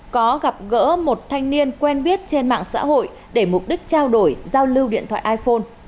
có gặp gỡ một thanh niên quen biết trên mạng xã hội để mục đích trao đổi giao lưu điện thoại iphone